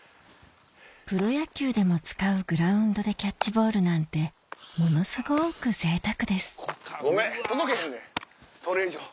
プロ野球でも使うグラウンドでキャッチボールなんてものすごくぜいたくですごめん届けへんねんそれ以上。